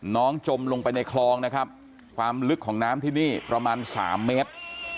จมลงไปในคลองนะครับความลึกของน้ำที่นี่ประมาณ๓เมตร